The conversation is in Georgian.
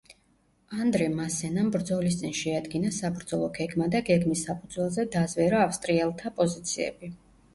ანდრე მასენამ ბრძოლის წინ შეადგინა საბრძოლო გეგმა და გეგმის საფუძველზე დაზვერა ავსტრიელთა პოზიციები.